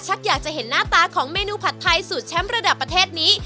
อยากจะเห็นหน้าตาของเมนูผัดไทยสูตรแชมป์ระดับประเทศนี้